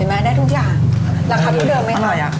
เห็นไหมได้ทุกอย่างแล้วคำตะเดิมไหมอ๋อทำไมอ่ะ